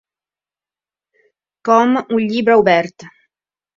Com un llibre obert.